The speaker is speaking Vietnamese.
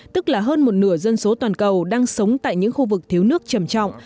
tức là hơn một nửa dân số toàn cầu đang sống tại những khu vực thiếu nước trầm trọng